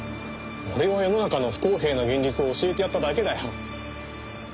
俺は世の中の不公平な現実を教えてやっただけだよ。